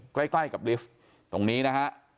ใกล้กับลิฟต์ตรงนี้นะฮะ